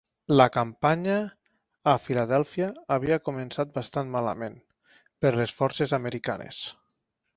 La campanya a Filadèlfia havia començat bastant malament per les forces americanes.